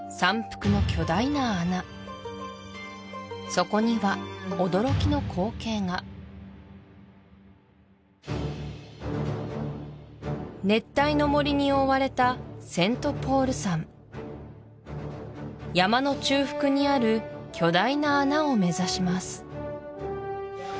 そこには驚きの光景が熱帯の森に覆われたセントポール山山の中腹にある巨大な穴を目指します